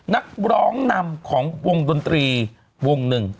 นักร้องนำของวงดนตรีวงหนึ่ง